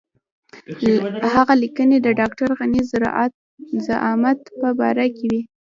هغه لیکنې د ډاکټر غني د زعامت په باره کې وې.